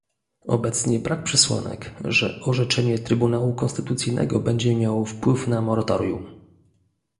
Obecnie brak przesłanek, że orzeczenie Trybunału Konstytucyjnego będzie miało wpływ na moratorium